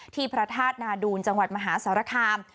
พระธาตุนาดูนจังหวัดมหาสารคาม